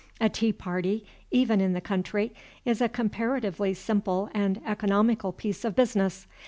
A tea party, even in the country, is a comparatively simple and economical piece of business.